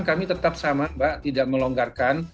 kami tetap sama mbak tidak melonggarkan